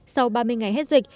sau ba mươi ngày hết dịch